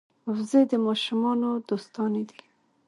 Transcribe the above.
وزې د ماشومانو دوستانې دي